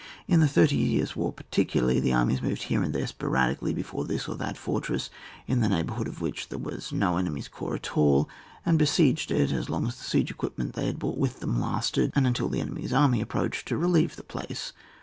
In the Thirty Years' War particularly, the armies moved here and there sporadically before this or that fortress, in the neighbourhood of which there was no enemy's corps at all, and besieged it as long as the siege equipment they had brought with them lasted, and until an enemy's army approached to relieve the place.